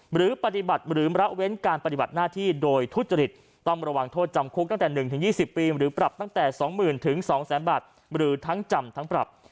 หรือปฏิบัติหรือระเว้นการปฏิบัติหน้าที่โดยทุจริตต้องระวังโทษจำคุกตั้งแต่๑๒๐ปีหรือปรับตั้งแต่๒๐๐๐๒๐๐๐บาทหรือทั้งจำทั้งปรับ